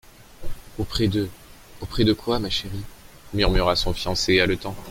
—«Auprès de … Auprès de quoi, ma chérie ?…» murmura son fiancé, haletant.